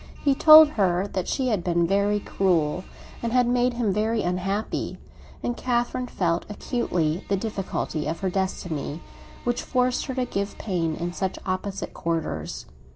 He told her that she had been very cruel, and had made him very unhappy; and Catherine felt acutely the difficulty of her destiny, which forced her to give pain in such opposite quarters.